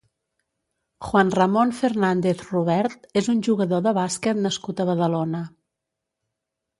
Juan Ramon Fernández Robert és un jugador de bàsquet nascut a Badalona.